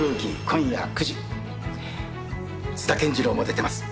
今夜９時津田健次郎も出てます